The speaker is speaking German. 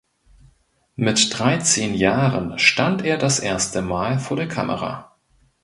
Mit dreizehn Jahren stand er das erste Mal vor der Kamera.